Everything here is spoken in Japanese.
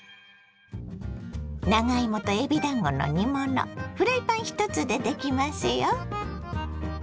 長芋とえびだんごの煮物フライパン１つでできますよ。